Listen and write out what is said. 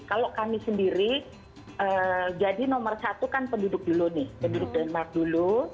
kalau kami sendiri jadi nomor satu kan penduduk dulu nih penduduk denmark dulu